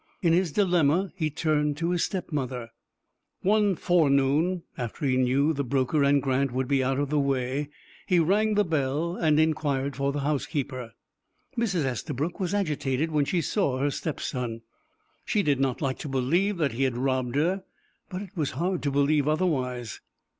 In his dilemma he turned to his stepmother. One forenoon, after he knew the broker and Grant would be out of the way, he rang the bell, and inquired for the housekeeper. Mrs. Estabrook was agitated when she saw her step son. She did not like to believe that he had robbed her, but it was hard to believe otherwise.